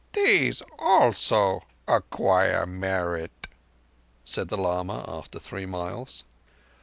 "These also acquire merit," said the lama after three miles.